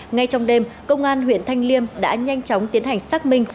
ngay trong đêm công an huyện thanh liêm đã nhanh chóng tiến hành xác minh